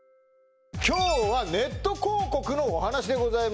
今日はネット広告のお話でございます